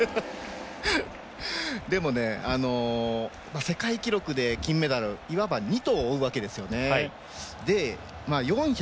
でもね、世界記録で金メダルいわば二兎を追うわけですよね。